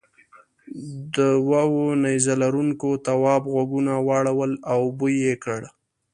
دوو نیزه لرونکو تواب غوږونه واړول او بوی یې کړ.